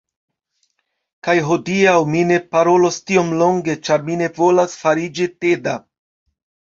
Kaj hodiaŭ mi ne parolos tiom longe ĉar mi ne volas fariĝi teda